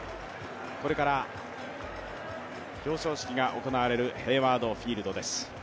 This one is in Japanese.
これから表彰式が行われるヘイワード・フィールドです。